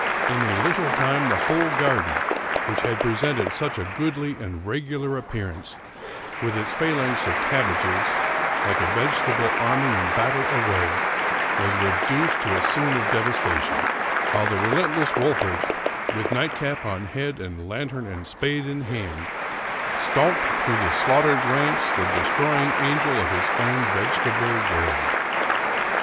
In a little time the whole garden, which had presented such a goodly and regular appearance, with its phalanx of cab bages, like a vegetable army in battle array, was reduced to a scene of devastation, while the relentless Wolfert, with nightcap on head and lantern and spade in hand, stalked through the slaughtered ranks, the destroying angel of his own vegetable world.